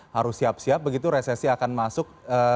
harus siap siap begitu resesi akan masuk